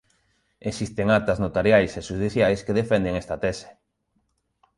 Existen actas notariais e xudiciais que defenden esta tese.